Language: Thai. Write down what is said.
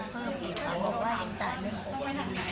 เพิ่มอีกครั้งบอกว่าอันจ่ายไม่ครบ